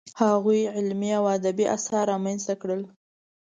هغوی علمي او ادبي اثار رامنځته کړل.